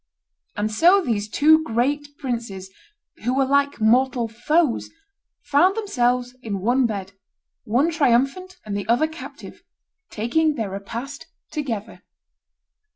And so these two great princes, who were like mortal foes, found themselves in one bed, one triumphant and the other captive, taking their repast together."